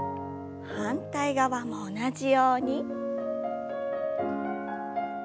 反対側も同じように。